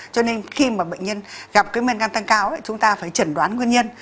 cho nên khi mà bệnh nhân gặp cái men gan tăng cao thì chúng ta phải chẩn đoán nguyên nhân